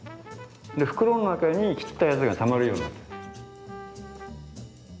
で袋の中に切ったやつがたまるようになってるんです。